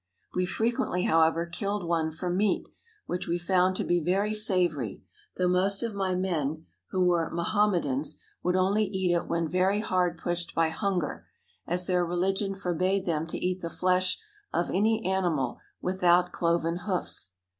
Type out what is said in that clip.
We frequently, however, killed one for meat, which we found to be very savory; though most of my men, who were Mahomedans, would only eat it when very hard pushed by hunger, as their religion forbade them to eat the flesh of any animal without cloven hoofs.